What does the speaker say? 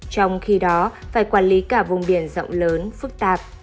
trong khi đó phải quản lý cả vùng biển rộng lớn phức tạp